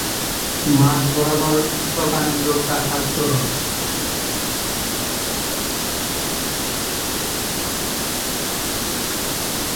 মাঝ বরাবর প্রকাণ্ড প্রাসাদ তোরণ।